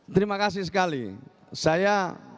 terima kasih sekali saya